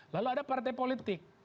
lalu ada partai politik